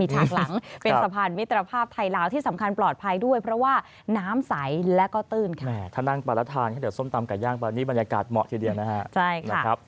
ถ้านั่งปลาแล้วทานส้มตำไก่ย่างปลานี้บรรยากาศเหมาะทีเดียวนะครับ